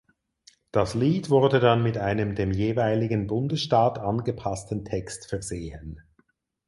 Das Lied wurde dann mit einem dem jeweiligen Bundesstaat angepassten Text versehen.